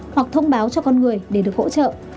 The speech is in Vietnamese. hoặc thông báo cho con người để được hỗ trợ